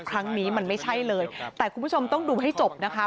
ครั้งนี้มันไม่ใช่เลยแต่คุณผู้ชมต้องดูให้จบนะคะ